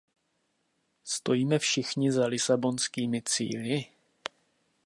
Stojíme všichni za lisabonskými cíli?